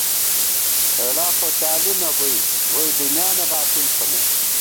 ہېڑا خوشالی نہ بُوئی ، ووئی دُنیانہ غافل تھنہ